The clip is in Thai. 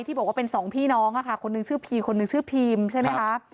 บอกว่าเป็นสองพี่น้องค่ะคนหนึ่งชื่อพีคนหนึ่งชื่อพีมใช่ไหมคะ